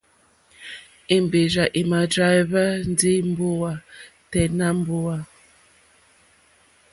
Èmbèrzà èmà dráíhwá ndí mbówà tɛ́ nà mbówà.